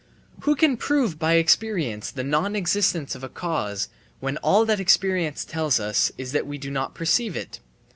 Who can prove by experience the non existence of a cause when all that experience tells us is that we do not perceive it?